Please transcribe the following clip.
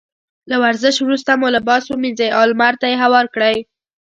له ورزش وروسته مو لباس ومينځئ او لمر ته يې هوار کړئ.